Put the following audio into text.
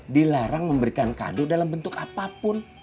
dilarang memberikan kado dalam bentuk apapun